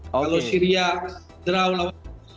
kalau syria draw lawan indonesia